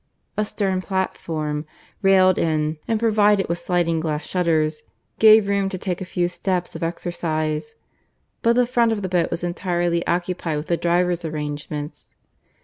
A stern platform, railed in and provided with sliding glass shutters, gave room to take a few steps of exercise; but the front of the boat was entirely occupied with the driver's arrangements.